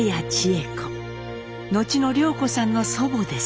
後の涼子さんの祖母です。